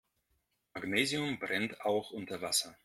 Magnesium brennt auch unter Wasser.